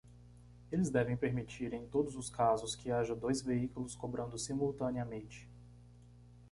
Eles devem permitir em todos os casos que haja dois veículos cobrando simultaneamente.